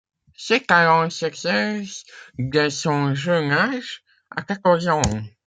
Ses talents s'exercent dès son jeune âge, à quatorze ans.